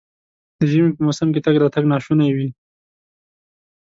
د ژمي په موسم کې تګ راتګ ناشونی وي.